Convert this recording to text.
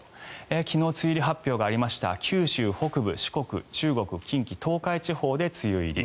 昨日、梅雨入り発表がありました九州北部、四国中国、近海東海地方で梅雨入り。